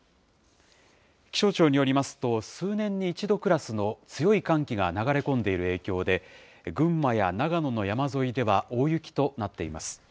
気象庁によりますと、数年に一度クラスの強い寒気が流れ込んでいる影響で、群馬や長野の山沿いでは大雪となっています。